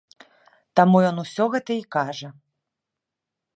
Таму ён усе гэта і кажа.